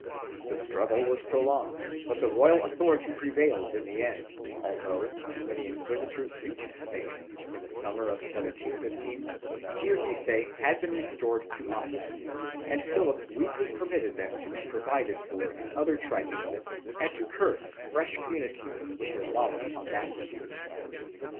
The struggle was prolonged, but the royal authority prevailed in the end, although, when the inquisitors reached Spain, in the summer of 1715, Giudice had been restored to office and Philip weakly permitted them to be provided for in other tribunals and to curse fresh communities with their lawless audacity.